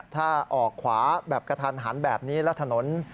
ถ้าออกขวาแบบกระทันหันแบบนี้แล้วถนน